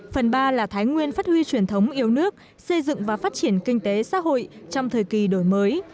phần ba là thái nguyên phát huy truyền thống yêu nước xây dựng và phát triển kinh tế xã hội trong thời kỳ đổi mới